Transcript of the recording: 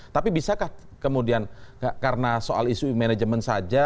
tapi bisakah kemudian karena soal isu manajemen saja